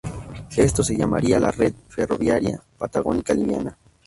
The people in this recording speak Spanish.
Esto se llamaría la "Red Ferroviaria Patagónica Liviana".